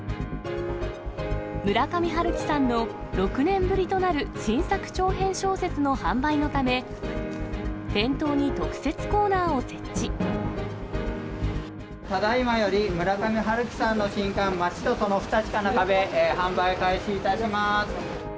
村上春樹さんの６年ぶりとなる新作長編小説の販売のため、ただいまより、村上春樹さんの新刊、街とその不確かな壁、販売開始いたします。